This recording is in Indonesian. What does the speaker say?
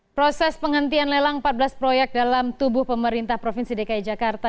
proses penghentian lelang empat belas proyek dalam tubuh pemerintah provinsi dki jakarta